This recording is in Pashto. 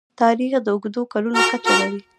تاریخ د اوږدو کلونو کچه لري.